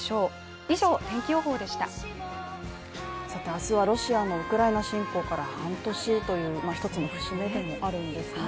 明日はロシアのウクライナ侵攻から半年という１つの節目でもあるんですね。